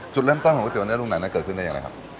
จุดเริ่มต้นของก๋วยเตี๋ยวเนอร์เนอร์รุ่งนั้นก็กโยชน์ได้ยังไง